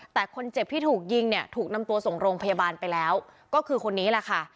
แต่คนเจ็บที่ถูกยิงเนี่ยถูกนำตัวส่งโรงพยาบาลไปแล้วก็คือคนนี้แหละค่ะ